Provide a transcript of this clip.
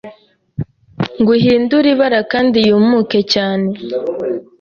ngo ihindure ibara kandi yumuke cyane.